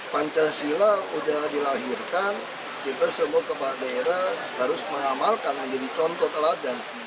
pancasila sudah dilahirkan kita semua kepala daerah harus mengamalkan menjadi contoh teladan